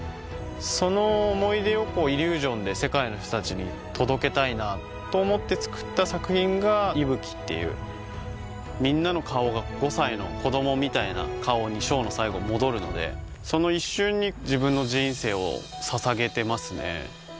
その思い出をイリュージョンで世界の人達に届けたいなと思って作った作品が「ＩＢＵＫＩ」っていうみんなの顔が５歳の子供みたいな顔にショーの最後戻るのでその一瞬に自分の人生を捧げてますね